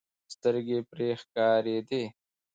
سترګې پرې ښکارېدې.